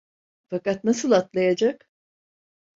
Fakat nasıl atlayacak?